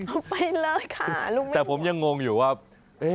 เอาไปเลยค่ะลูกแม่แต่ผมยังงงอยู่ว่า